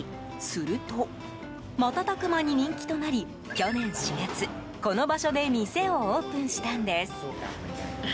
すると、瞬く間に人気となり去年４月、この場所で店をオープンしたんです。